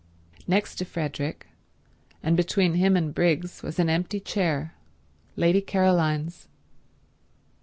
Next to Frederick, and between him and Briggs, was an empty chair: Lady Caroline's.